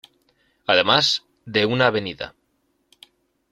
Además, de una avenida.